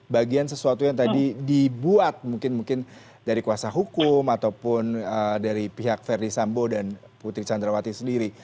bagian sesuatu yang tadi dibuat mungkin mungkin dari kuasa hukum ataupun dari pihak verdi sambo dan putri candrawati sendiri